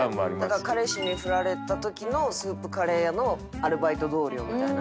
だから彼氏にフラれた時のスープカレー屋のアルバイト同僚みたいな。